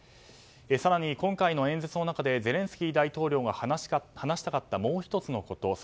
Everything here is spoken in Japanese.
更に今回の演説の中でゼレンスキー大統領が話したかったもう１つのこと。